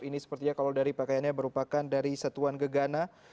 ini sepertinya kalau dari pakaiannya merupakan dari satuan gegana